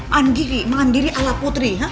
mandiri mandiri ala putri